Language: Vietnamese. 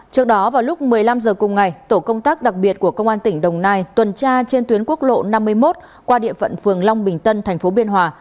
trước đó vào lúc một mươi năm h cùng ngày tổ công tác đặc biệt của công an tỉnh đồng nai tuần tra trên tuyến quốc lộ năm mươi một qua địa phận phường long bình tân thành phố biên hòa